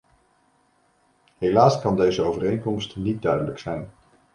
Helaas kan deze overeenkomst niet duidelijk zijn.